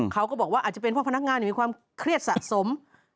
เขาก็บอกว่าอาจจะเป็นเพราะพนักงานมีความเครียดสะสม